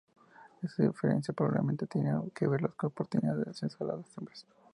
Esta diferencia probablemente tiene que ver con las oportunidades de acceso a las hembras.